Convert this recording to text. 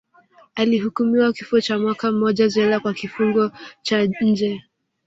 Alihukumiwa kifungo cha mwaka mmoja jela kwa kifungo cha nje